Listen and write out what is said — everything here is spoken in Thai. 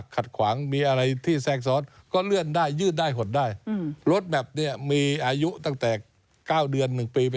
กฎหมายประกอบรัฐมนุนไม่ผ่านนี่ก็ยาวนะ